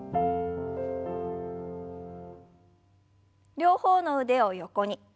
両方の腕を横に。